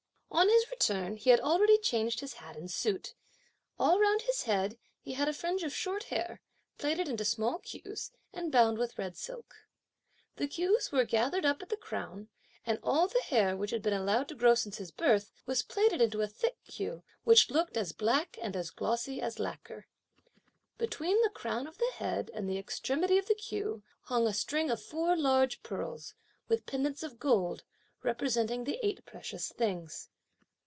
On his return, he had already changed his hat and suit. All round his head, he had a fringe of short hair, plaited into small queues, and bound with red silk. The queues were gathered up at the crown, and all the hair, which had been allowed to grow since his birth, was plaited into a thick queue, which looked as black and as glossy as lacquer. Between the crown of the head and the extremity of the queue, hung a string of four large pearls, with pendants of gold, representing the eight precious things.